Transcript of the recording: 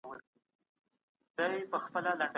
د کښتۍ په منځ کي جوړه خوشالي سوه